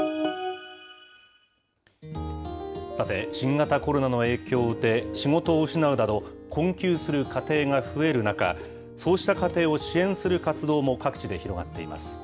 さて、新型コロナの影響で、仕事を失うなど、困窮する家庭が増える中、そうした家庭を支援する活動も各地で広がっています。